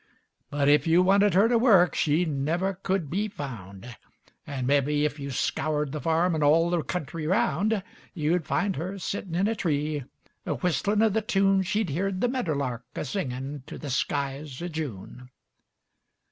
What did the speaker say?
But if you wanted her to work She never could be found; And, mebby, if you scoured the farm And all the country round, You'd find her sittin' in a tree A whistlin' o' the tune She'd heered the medder lark a singin' To the skies o' June.